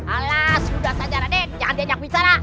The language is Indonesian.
alas sudah saja raden jangan dianyak wisara